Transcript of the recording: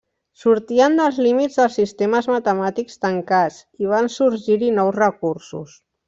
Sortien dels límits dels sistemes matemàtics tancats, i van sorgir-hi nous recursos.